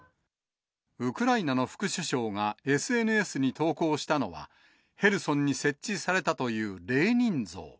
ウクライナの副首相がＳＮＳに投稿したのは、ヘルソンに設置されたというレーニン像。